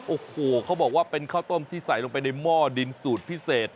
โอ้โหเขาบอกว่าเป็นข้าวต้มที่ใส่ลงไปในหม้อดินสูตรพิเศษ